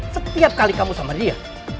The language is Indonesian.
setiap kali kamu sama dia